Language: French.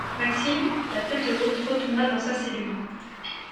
Maxime, la tête haute, retourna dans sa cellule